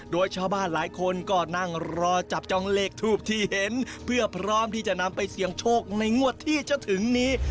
โดยชาวบ้านหลายคนก็นั่งรอจับจองเลขทูปที่เห็นเพื่อพร้อมที่จะนำไปเสี่ยงโชคในงวดที่จะถึงนี้